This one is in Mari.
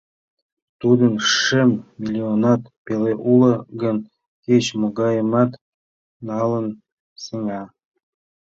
Тудын шым миллионат пеле уло гын, кеч-могайымат налын сеҥа.